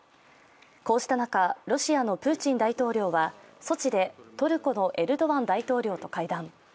こうした中、ロシアのプーチン大統領はソチでトルコのエルドアン大統領と会談。